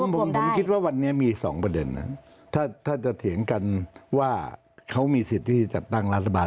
ผมคิดว่าวันนี้มี๒ประเด็นนะถ้าจะเถียงกันว่าเขามีสิทธิ์ที่จะจัดตั้งรัฐบาล